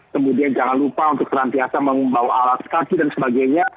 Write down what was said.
kemudian jangan lupa untuk senantiasa membawa alat kaki dan sebagainya